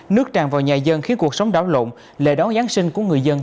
nước tràn vào nhà dân khiến cuộc sống đảo lộn lệ đón giáng sinh của người dân